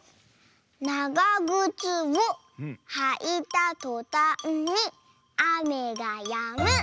「ながぐつをはいたとたんにあめがやむ」。